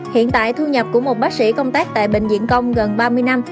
hiện tại thu nhập của một bác sĩ công tác tại bệnh viện công gần ba mươi năm